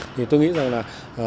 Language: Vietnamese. thì tôi nghĩ rằng là